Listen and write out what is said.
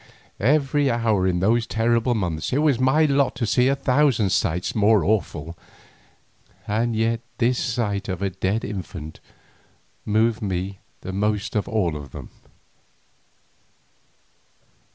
Every hour in those terrible months it was my lot to see a thousand sights more awful, and yet this sight of a dead infant moved me the most of all of them.